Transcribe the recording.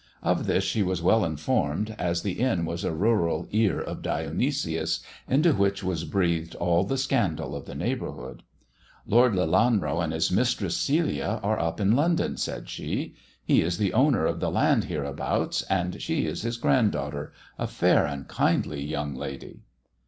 Of this she was well informed, as the inn was a rural Ear of Dionysius, into which was breathed all the scandal of the neighbourhood. " Lord Lelanro and Mistress Celia are up in London," said she. He is the owner of the land hereabouts, and she is his grand daughter — a fair and kindly young lady."